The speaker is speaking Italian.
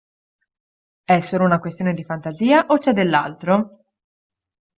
È solo una questione di fantasia o c'è dell'altro?